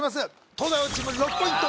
東大王チーム６ポイント